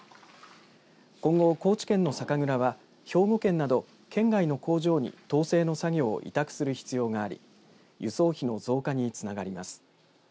今後、高知県の酒蔵は兵庫県など県外の工場にとう精の作業を委託する必要があり輸送費の増加につながります。